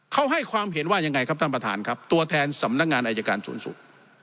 เขาให้ความเห็นว่ายังไงครับท่านประธานครับตัวแทนสำนักงานอายการสูงสุด